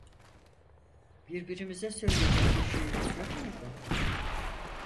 Birbirimize söyleyecek bir şeyimiz yok muydu?